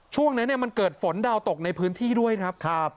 ช่วงนั้นมันเกิดฝนดาวตกในพื้นที่ด้วยครับ